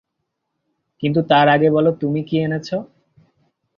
কিন্তু তার আগে বল, তুমি কী এনেছ?